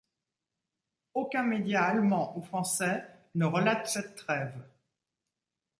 Aucun média allemand ou français ne relate cette trêve.